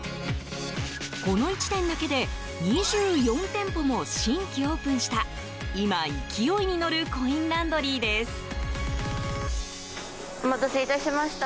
この１年だけで２４店舗も新規オープンした今、勢いに乗るコインランドリーです。